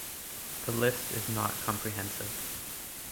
The list is not comprehensive.